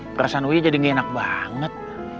perasaan ui jadi gak enak banget